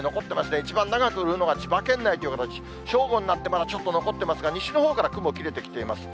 一番長く降るのが千葉県内という形、正午になってまだ残ってますが、西のほうから雲切れてきています。